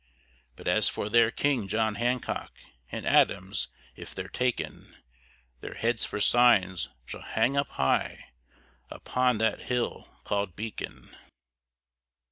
But as for their king, John Hancock, And Adams, if they're taken, Their heads for signs shall hang up high, Upon that hill call'd Beacon.